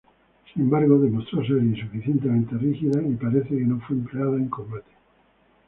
Sin embargo, demostró ser insuficientemente rígida y parece que no fue empleada en combate.